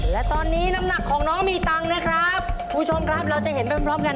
และตอนนี้น้ำหนักของน้องมีตังค์นะครับคุณผู้ชมครับเราจะเห็นไปพร้อมกัน